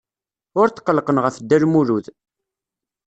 Ur tqellqen ɣef Dda Lmulud.